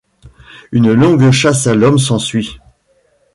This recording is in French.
Une longue chasse à l’homme s'ensuit.